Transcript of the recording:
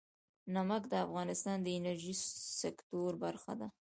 نمک د افغانستان د انرژۍ سکتور برخه ده.